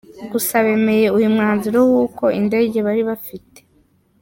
gusa bemeye uyu mwanzuro w’uko indege bari bafite.